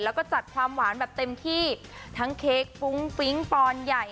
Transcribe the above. แล้วก็จัดความหวานแบบเต็มที่ทั้งเค้กฟุ้งฟิ้งปอนใหญ่